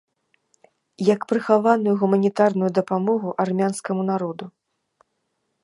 Як прыхаваную гуманітарную дапамогу армянскаму народу.